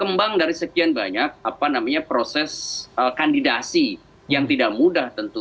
kembang dari sekian banyak proses kandidasi yang tidak mudah tentu